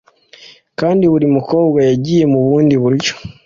Kandi buri mukobwa yagiye mu bundi buryo